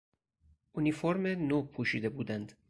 اونیفورم نو پوشیده بودند.